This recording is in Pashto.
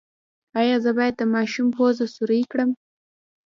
ایا زه باید د ماشوم پوزه سورۍ کړم؟